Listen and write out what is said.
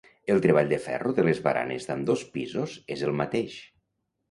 El treball de ferro de les baranes d'ambdós pisos és el mateix.